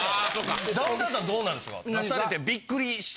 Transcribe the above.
ダウンタウンさんどうなんですか？